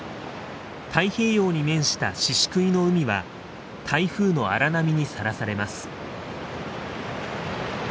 太平洋に面した宍喰の海は台風の荒波にさらされます。